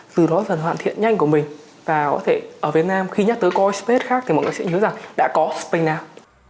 từ đó dần hoàn thiện nhanh của mình và có thể ở việt nam khi nhắc tới coi space khác thì mọi người sẽ nhớ rằng đã có spingna